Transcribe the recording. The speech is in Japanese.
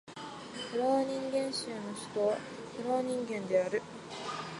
フローニンゲン州の州都はフローニンゲンである